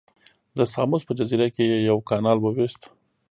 د ساموس په جزیره کې یې یو کانال وویست.